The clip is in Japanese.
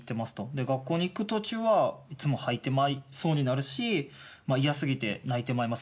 で、学校に行く途中はいつも吐いてまいそうになるし嫌すぎて泣いてまいます。